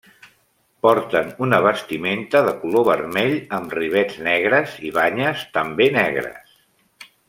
Porten una vestimenta de color vermell, amb rivets negres i banyes també negres.